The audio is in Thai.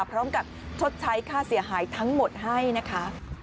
พร้อมกับชดใช้ค่าเสียหายทั้งหมดให้นะคะ